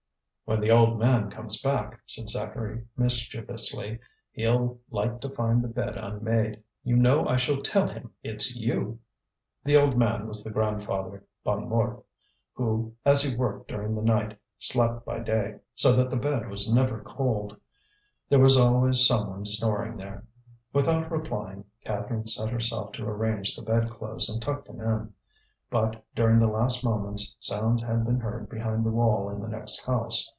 "When the old man comes back," said Zacharie, mischievously, "he'll like to find the bed unmade. You know I shall tell him it's you." The old man was the grandfather, Bonnemort, who, as he worked during the night, slept by day, so that the bed was never cold; there was always someone snoring there. Without replying, Catherine set herself to arrange the bed clothes and tuck them in. But during the last moments sounds had been heard behind the wall in the next house.